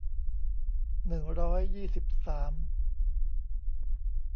หนึ่งร้อยยี่สิบสาม